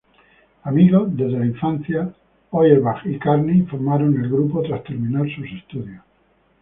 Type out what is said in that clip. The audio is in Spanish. Amigos desde la infancia, Auerbach y Carney formaron el grupo tras terminar sus estudios.